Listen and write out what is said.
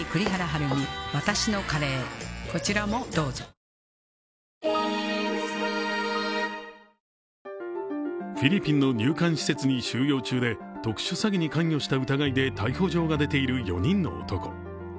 その内容はフィリピンの入管施設に収容中で特殊詐欺に関与した疑いで逮捕状が出ている４人の男。